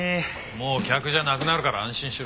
もう客じゃなくなるから安心しろ。